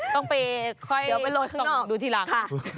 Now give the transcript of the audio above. ต้องไปส่องดูทีหลัง